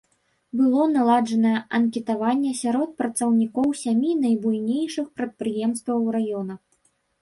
Было наладжанае анкетаванне сярод працаўнікоў сямі найбуйнейшых прадпрыемстваў раёна.